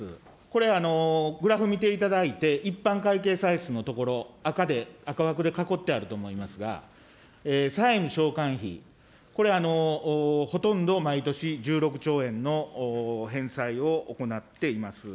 これ、グラフ見ていただいて、一般会計歳出のところ、赤で、赤枠で囲ってあると思いますが、債務償還費、これ、ほとんど毎年１６兆円の返済を行っています。